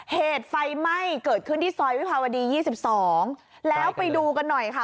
เหตุไฟไหม้เกิดขึ้นที่ซอยวิภาวดียี่สิบสองแล้วไปดูกันหน่อยค่ะ